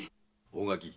大垣